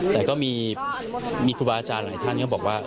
แต่ก็มีครูบาอาจารย์หลายท่านก็บอกว่า